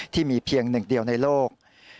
ที่มีเพียงหนึ่งเดียวในโลก